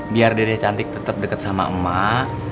biar dede cantik tetep deket sama emak